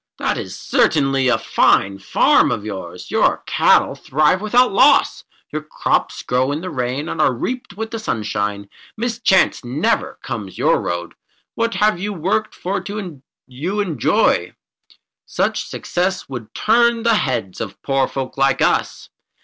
That is certainly a fine farm of yours. Your cattle thrive without loss. Your crops grow in the rain and are reaped with the sunshine. Mischance never comes your road. What you have worked for you enjoy. Such success would turn the heads of poor folk like us.